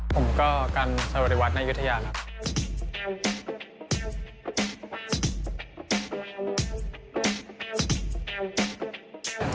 ผมก็กันสวัสดีวัฒนายุธยาครับ